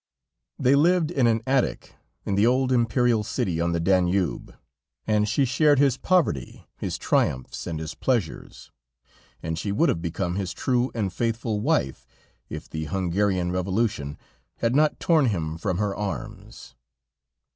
They lived in an attic in the old Imperial city on the Danube, and she shared his poverty, his triumphs and his pleasures, and she would have become his true and faithful wife, if the Hungarian revolution had not torn him from her arms.